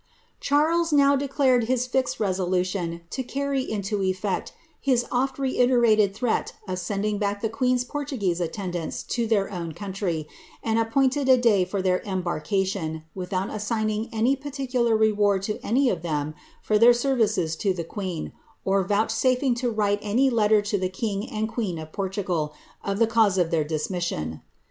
Charles now declared his fixed resolution to carry into effect his oft reiierated threat of sending back the quecn^s Portuguese attendants to their own countr}', and appointed a day for their embarkation, without assigning any particular reward to any of them for their services to the queen, or vouchsafing to write any letter to tlie king and queen of Por luiFal of the cause of their dismission.